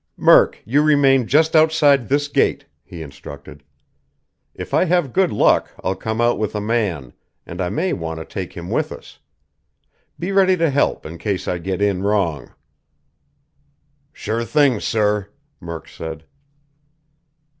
"Murk, you remain just outside this gate," he instructed. "If I have good luck, I'll come out with a man, and I may want to take him with us. Be ready to help in case I get in wrong." "Sure thing, sir," Murk said.